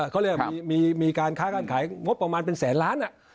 เขาเรียกว่ามีการค้าการขายงบประมาณเป็นแสนล้าน